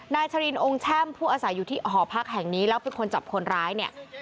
ชรินองค์แช่มผู้อาศัยอยู่ที่หอพักแห่งนี้แล้วเป็นคนจับคนร้ายเนี่ย